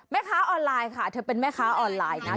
แม่ค้าออนไลน์ค่ะเธอเป็นแม่ค้าออนไลน์นะ